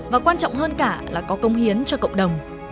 và quan trọng hơn cả là có công hiến cho cộng đồng